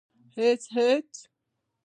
_هېڅ ، هېڅ.